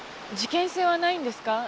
事件性はないんですか？